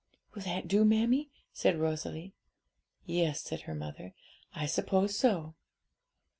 'Will that do, mammie?' said Rosalie. 'Yes,' said her mother, 'I suppose so.'